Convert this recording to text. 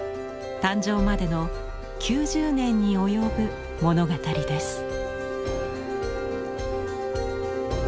誕生までの９０年に及ぶ物語です。